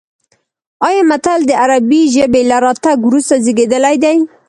ایا متل د عربي ژبې له راتګ وروسته زېږېدلی دی